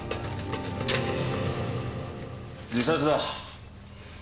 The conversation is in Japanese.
自殺だ。